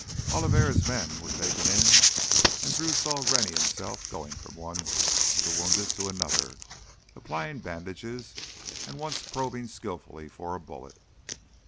Oliveri's men were taken in and Drew saw Rennie himself going from one of the wounded to another, applying bandages and once probing skillfully for a bullet.